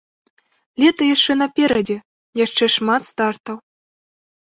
Лета яшчэ наперадзе, яшчэ шмат стартаў.